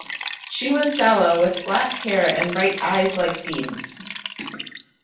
She was sallow, with black hair and bright eyes like beads.